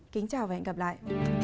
kính chào và hẹn gặp lại